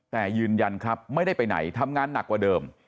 แต่ยืนยันครับไม่ได้ไปไหนทำงานหนักกว่าเดิม